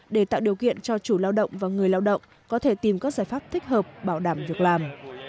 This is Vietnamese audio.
để tạo điều kiện cho chủ lao động và người lao động có thể tìm các giải pháp thích hợp bảo đảm việc làm